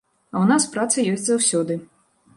А ў нас праца ёсць заўсёды.